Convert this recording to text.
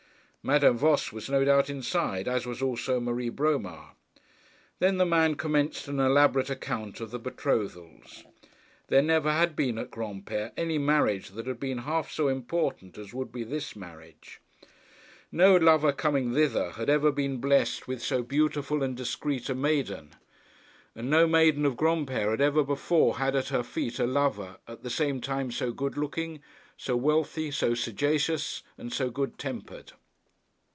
Madame Voss was no doubt inside, as was also Marie Bromar. Then the man commenced an elaborate account of the betrothals. There never had been at Granpere any marriage that had been half so important as would be this marriage; no lover coming thither had ever been blessed with so beautiful and discreet a maiden, and no maiden of Granpere had ever before had at her feet a lover at the same time so good looking, so wealthy, so sagacious, and so good tempered.